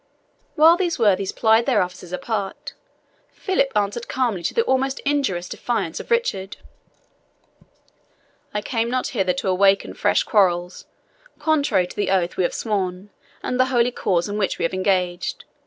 While these worthies plied their offices apart, Philip answered calmly to the almost injurious defiance of Richard, "I came not hither to awaken fresh quarrels, contrary to the oath we have sworn, and the holy cause in which we have engaged.